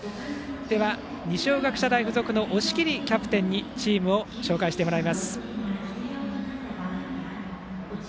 では、二松学舎大付属の押切キャプテンにチームを紹介してもらいます。